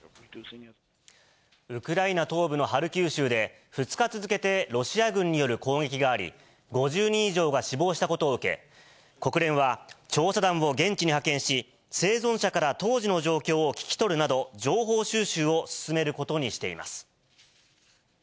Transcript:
ウクライナ東部のハルキウ州で、２日続けてロシア軍による攻撃があり、５０人以上が死亡したことを受け、国連は調査団を現地に派遣し、生存者から当時の状況を聞き取るなど、情報収集を進めることにしています。